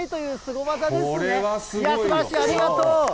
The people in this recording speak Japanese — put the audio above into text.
いや、すばらしい、ありがとう。